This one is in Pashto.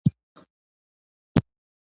ایا زما فکر به ارام شي؟